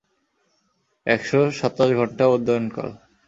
একশ সাতাশ ঘন্টা উড্ডয়নকাল!